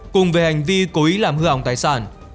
cùng về hành vi cố ý làm hư hỏng tài sản